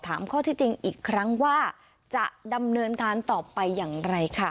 ข้อที่จริงอีกครั้งว่าจะดำเนินการต่อไปอย่างไรค่ะ